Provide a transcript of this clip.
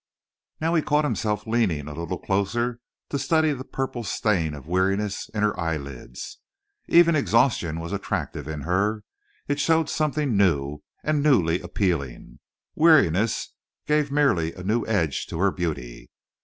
Now he caught himself leaning a little closer to study the purple stain of weariness in her eyelids. Even exhaustion was attractive in her. It showed something new, and newly appealing. Weariness gave merely a new edge to her beauty.